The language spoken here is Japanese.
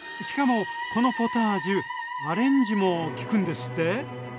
しかもこのポタージュアレンジもきくんですって？